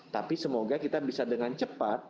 tapi semoga kita bisa dengan cepat